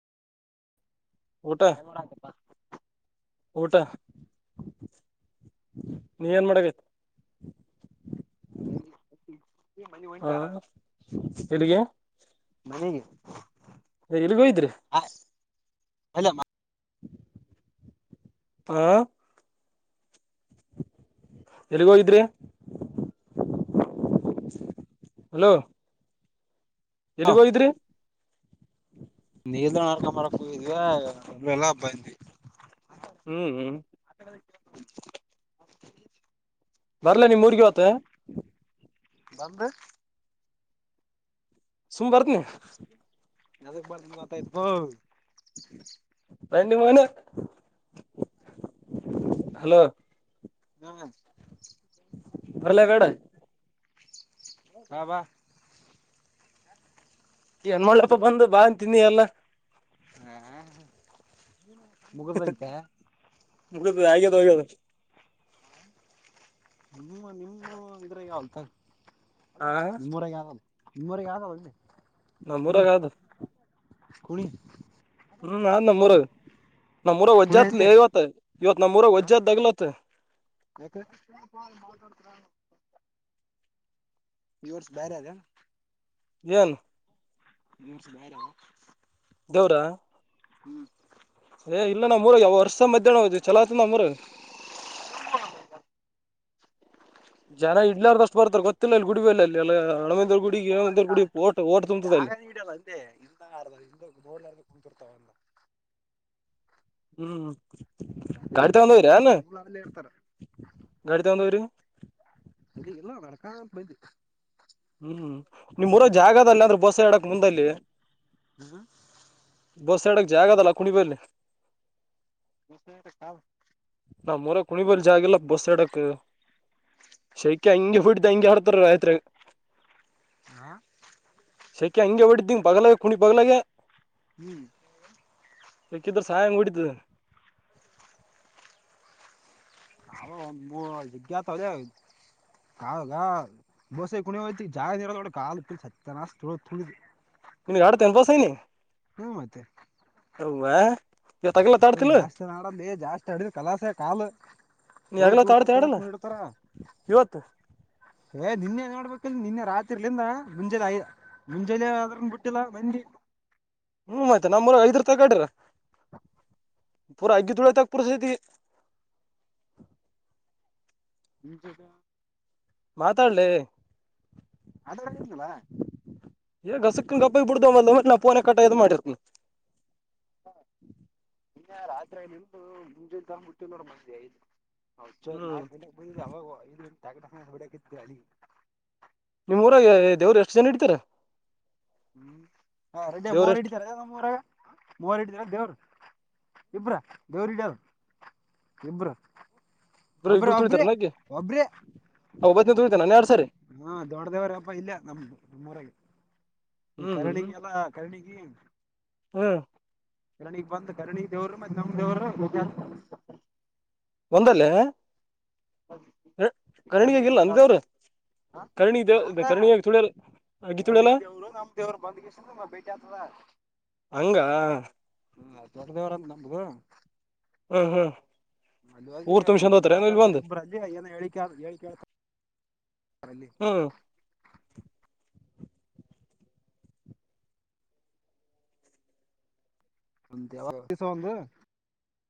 ಊಟ ಊಟ ನೀ ಏನ್ ಮಾಡರಿ [unintelligible] ಹ್ಮ್ ಎಲ್ಲಿಗೆ ನನಗೆ [unintelligible] [inaudible] ಎಲ್ಲಿಗೋಯಿದ್ರಿ ಅಲ್ಲ ಮಾ ಹ್ಮ ಎಲ್ಲಿಗೋಗಿದ್ರಿ ಹಲೋ ಎಲ್ಲಿಗ್ ಹೋಗಿದ್ರಿ ನೀರ್ ನಡ್ಕೊ ಮರಕ್ಕೂಗ ಒಲ್ಲ ಎಲ್ಲ ಹಬ್ಬಿ ಹ್ಮ್ ಹ್ಮ್ ಹ್ಮ್ ಬರ್ಲಾ ನಿಮ್ಮೂರ್ಗ್ ಇವತ್ತು ಬಂದು ಸುಮ್ ಬರ್ತನಿ ನಬತ ಇ [unintelligible] [unintelligible] ರಿ ಮನೆ ಹಲೋ ಹ್ಮ್ ಬರಲ್ಲ ಬೇಡ ಹಾಬಾ ಹೆಣ್ಮಳಪ್ಪ ಬಂದು ಬಾ ತಿನ್ನಿ ಎಲ್ಲಾ ಹ ಮಗು ಬಂತಾ [unintelligible] ನಡ್ ಆಗದು ಹೋಗದ ನಿಮ್ಮ ನಿಮ್ಮ ಇದ್ರಾಗಾವತ್ ಹಾ ನಿಮ್ಮೂರಾಗ ಯಾವಲ್ ನಿಮ್ಮ್ವರೆಗೆ ಯಾವ್ದಾವ ಅಲ್ ನಮ್ಮೂರಾಗ ಅದು ಕುಣಿ ಹ್ಮ್ ಅ ನಮ್ಮೂರಾಗ ನಮ್ಮೂರ ಕುಣಿ ವಜ್ಜತ ಅಂದೆ ಇವತ್ತ ಇವತ್ ವಜ್ಜತ ವಜ್ಜಾತ್ಗ್ಲತ್ [unintelligible] ಇವರ್ಸ್ ಬೇರೆ ಅದೆ ಏನು ನಿಮಸ ಬಾರ ದೇವರಾ ಹ್ಮ್ ಏ ಇಲ್ಲ ನಮ್ಮೂರ ಯಾವ ವರ್ಷ ಮಧ್ಯಾಹ್ನ ಹೋದು ಚಲ ಆತ ನಮ್ಮೂರ ಜನ ಇಡ್ಲಾರ್ದು ಅಷ್ಟು ಬರ್ತಾರೆ ಗೊತ್ತಿಲ್ಲ ಅಲ್ಲಿ ಗುಡಿಬಲ್ಲ ಅಲ್ಲಿ ಎಲ್ಲ ಹ ಕುಡಿಗೆ ಒಂದ ಕುಡೋಟ ಹೋಗ ಜಾಗ ಇಡಲ್ಲ ಅಂದೆ ಇಿಂದ ಅ ಇಿಂದ ನೋಡ್ಲಾರ್ದ ಕುಂತಿರ್ತಾವಂದ ಹ್ಮ್ ಅಲ್ಲೇ ಗಾಡಿ ಇರ್ತಾರ ತಂದವ್ರ ಅಲ್ಲಾ ಅವ್ರು ಅಲ್ಲೇ ಇರ್ತಾರ ಗಾಡಿ ತಂದವ್ರ ಅದ ಎಲ್ಲೋ ಕಕಾ ಪಯು ಹ್ಮ್ ನಿಮ್ರೋ ಜಾಗದಲ್ಲ ಆದ್ರೂ ಬಸ ಎಡಕ್ ಮುಂದಲ್ಲಿ ಹ್ಮ್ ಬಸ್ ಸಡಕ್ಕೆ ಜಾಗದಲ್ಲ ಕುಣಿ ಬ ಬ ನಾ ಮರ ಕುಣಿಬಲ್ ಜಾಗಲ್ಲ ಬಸ್ ಎಡಕ್ ಶೈಕ್ಯ ಹಂಗಿ ಹುಡ್ದ ಹಂಗಗೆ ಹರತಾರ ರಾಯತ್ರಿ ಸೆಕ್ಯ ಹಂಗೆ ಹೊಡಿದ್ದಿಂಗ ಬಗ್ಲಾಗ ಕುಣಿ ಬಗ್ಲಾಗ ಹ್ಮ್ ಸಿಕ್ಕಿದ್ರೆ ಸಾಯಂಗ ಹೊಡಿತೀನಿ ನಾವು [unintelligible] ಕಾಲುಗ [unintelligible] ನಿನ್ಗೆ ಹಾಡು ತೆಲಬೋಸಿನಿ ಹು ಮತ್ತೆ ಅವ್ವ ಅಷ್ಟೊಂದ ಜಾಸ್ತಿ ಆಡಲೇ ಜಾಸ್ತಿ ಆಡಿದ್ರೆ ಕಲಾಸೆ ಕಾಲು ನೀ ತುಳು ಹಗಲು ಒತ್ತು ತುಳು ಆಡ್ತೀಯ ಸತ್ಯನಾಶ ಆಡಲ್ವಾ ಮಾಡಿರ್ತಾರ ಇವತ್ತು ಏ ದಿನ್ನೇ ನಿನ್ನೆ ರಾತ್ರಿರ್ಲಿಂದ ಮುಂಜೆಲಿಯ ಮುಂಜೆನೀ ಆದ್ರು ಬಿಟ್ಟಿಲ್ಲ ಮಂದಿ ಹ್ಮ್ ಆಯ್ತಾ ನಮ್ಮೂರು ಐದರತಕ ಆಡ್ಯಾರ ಪೂರಾ [unintelligible] [unintelligible] [inaudible] ಮಾತಾಡ್ಲೆ ಮಾತಾಡಕತ್ತಿನಲ್ಲ ಏ ಗಸುಕ್ಕ ಕಪ್ಪ ಬಿಡ್ಡನಾ ಪೋನೆ ಕಟ್ ಈದು ಮಾಡಿದ್ನೇ [unintelligible] ಹ್ಮ್ [unintelligible] ನಿಮ್ ಊರಾಗ ದೇವರು ಎಷ್ಟು ದಿನ ಇಡ್ತಾರೆ ಹ್ಮ್ ಮೋರ್ ಇಡಿತಾರ ನಿಮ್ಮ ಊರಾಗ ಮೋರ್ ಇಡ್ತಾರ ದೇವ್ರು ಇಬ್ರಾ ದೇವ್ರು ಇಡಿಯೋರು ಇಬ್ಬರ ಇಬ್ರು ಒಬ್ಬ್ರ ಒಬ್ರೆ ಒಬ್ರೆ ಒಬ್ಬತೆ [unintelligible] ಹಾ ದೊಡ್ದೇವರಪ್ಪ ಇಲ್ಲ ನಮ್ದು ನಮ್ಮೂರಗೆ ಈ ಹ್ಮ್ ಕರ್ಣಿಗೆ ಅಲ್ಲಾ ಕರ್ನಿಗೆ ಹ್ಮ್ ಕರ್ನಿಗೆ ಬಂದ್ ಕನ್ನಿಗೆ ದೇವರು ನಮ್ಮ ದೇವ್ರು ಒಂದಲ್ಲೇ ಕರ್ಣಿ ಕಾಣಿಗಿಗಿಲ್ಲ ರೂಟ್ ಅದ ಅಂದವರು ಕರ್ಣಿವ ಕರ್ಣಿಯಾಗಿ ತುಳಿಯರು ಕಾರ್ಣಿ ದೇವರು ನಮ್ ದೇವ್ರು ಬಂದ್ಗೆಷ್ಟ ಭೇಟಿ ಆಗ್ತದ ಹಂಗ ದೊಡ್ಡದೇವರ ಅಂತ ನಮ್ದು ಹ್ಮ್ ಹ್ಮ್ ಊರ್ ಮದುವೆಯಾಗಿ ತುಂಬ್ಸಂದ್ ಹೋತಾರ ಏನ್ ಇಲ್ ಮಾತಾಡ್ತಾರೆ ಬಂದ್ ಇಬ್ಬರಲ್ಲಿ ಏನ ಹೇಳಿ ಹೇಳಿೇಳ್ತಾರೆ ಹ್ಮ್ ಒಂದು